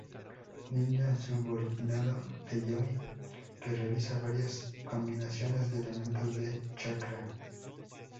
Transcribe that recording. Ninja Subordinado de Yomi que realiza varias combinaciones de elementos de chakra.